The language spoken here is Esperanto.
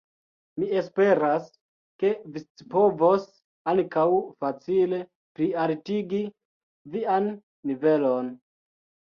Mi esperas, ke vi scipovos ankaŭ facile plialtigi vian nivelon.